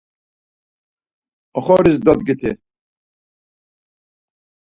Oxoris dodgiti.